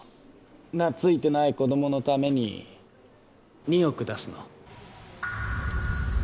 懐いてない子供のために２億出すの？